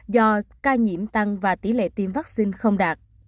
do ca nhiễm tăng và tỷ lệ tiêm vaccine không đạt